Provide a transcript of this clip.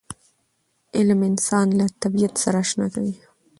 علم انسان له طبیعت سره اشنا کوي.